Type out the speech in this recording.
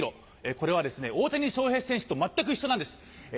これはですね大谷翔平選手と全く一緒なんです。